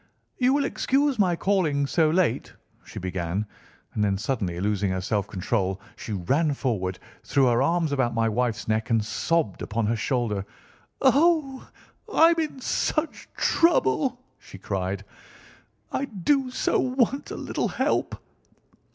"You will excuse my calling so late," she began, and then, suddenly losing her self control, she ran forward, threw her arms about my wife's neck, and sobbed upon her shoulder. "Oh, I'm in such trouble!" she cried; "I do so want a little help."